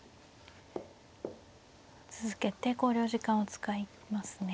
続けて考慮時間を使いますね。